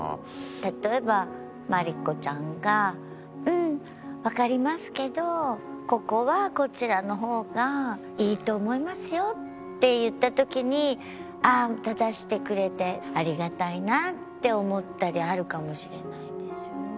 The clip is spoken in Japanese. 例えば万里子ちゃんが「うん。わかりますけどここはこちらの方がいいと思いますよ」って言った時にああ正してくれてありがたいなって思ったりあるかもしれないですよね。